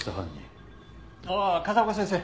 ああ風丘先生。